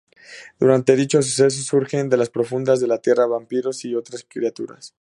Durante dicho suceso surgen de las profundidades de la Tierra vampiros y otras criaturas.